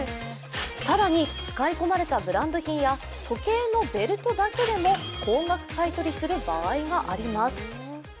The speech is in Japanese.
更に使い込まれたブランド品や時計のベルトだけでも高額買い取りする場合があります。